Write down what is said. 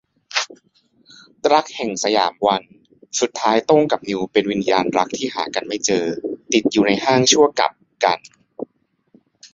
รักแห่งสยามวัน - สุดท้ายโต้งกับมิวเป็นวิญญาณรักที่หากันไม่เจอ ติดอยู่ในห้างชั่วกัปกัลป์